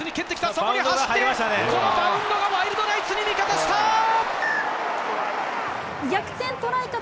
そこに走って、このバウンドがワイルドナイツに味方した。